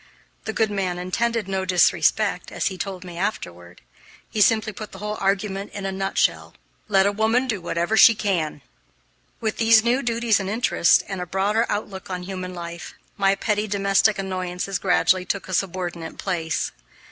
The good man intended no disrespect, as he told me afterward. He simply put the whole argument in a nutshell: "Let a woman do whatever she can." With these new duties and interests, and a broader outlook on human life, my petty domestic annoyances gradually took a subordinate place.